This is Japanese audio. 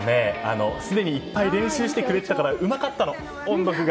すでにいっぱい練習してくれてたからうまかったの、音読が。